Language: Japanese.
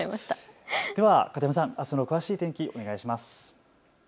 では片山さん、あすの詳しい天気、お願いします。